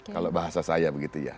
kalau bahasa saya begitu ya